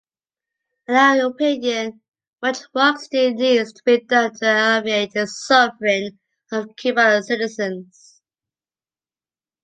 In our opinion, much work still needs to be done to alleviate the suffering of Cuban citizens.